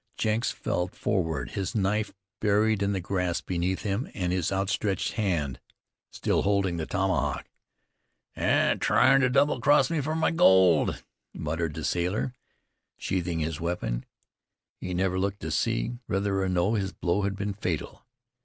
Jenks fell forward, his knife buried in the grass beneath him, and his outstretched hand still holding the tomahawk. "Tryin' ter double cross me fer my gold," muttered the sailor, sheathing his weapon. He never looked to see whether or no his blow had been fatal.